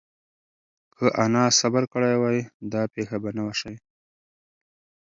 که انا صبر کړی وای، دا پېښه به نه وه شوې.